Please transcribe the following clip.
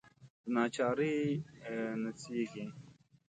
دناچارۍ نڅیږې